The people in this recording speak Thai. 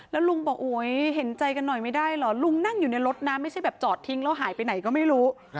แล้วลุงบอกโอ๊ยเห็นใจกันหน่อยไม่ได้เหรอลุงนั่งอยู่ในรถนะไม่ใช่แบบจอดทิ้งแล้วหายไปไหนก็ไม่รู้